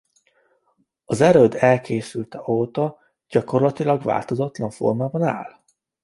Az erőd elkészülte óta gyakorlatilag változatlan formában áll.